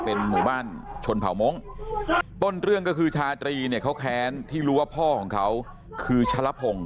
เป็นหมู่บ้านชนเผาม้งต้นเรื่องก็คือชาตรีเนี่ยเขาแค้นที่รู้ว่าพ่อของเขาคือชะละพงศ